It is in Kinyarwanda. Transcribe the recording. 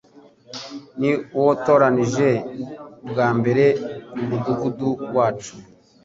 ni uwatoranije bwa mbere mumudugudu wacu;